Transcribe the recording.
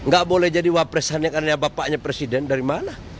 gak boleh jadi wapres hanya karena bapaknya presiden dari mana